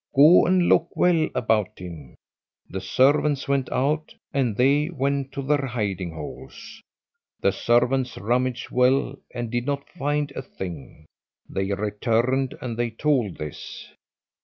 "Go and look well about him." The servants went out, and they went to their hiding holes. The servants rummaged well, and did not find a thing. They returned and they told this.